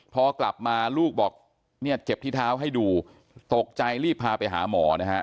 พอกลับมาลูกบอกเนี่ยเจ็บที่เท้าให้ดูตกใจรีบพาไปหาหมอนะฮะ